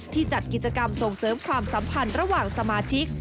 จัดกิจกรรมส่งเสริมความสัมพันธ์ระหว่างสมาชิก